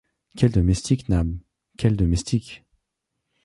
Quel domestique, Nab, quel domestique